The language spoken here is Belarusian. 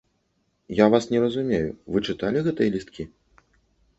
Я вас не разумею, вы чыталі гэтыя лісткі?